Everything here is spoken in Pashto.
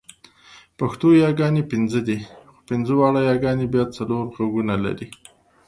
پښتو یاګانې پنځه دي، خو پنځه واړه یاګانې بیا څلور غږونه لري.